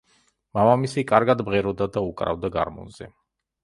მამამისი კარგად მღეროდა და უკრავდა გარმონზე.